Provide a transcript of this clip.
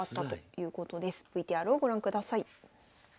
ＶＴＲをご覧ください。